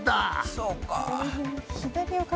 そうか。